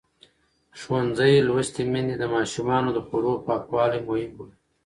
ښوونځې لوستې میندې د ماشومانو د خوړو پاکوالی مهم بولي.